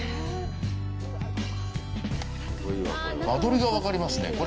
間取りが分かりますね。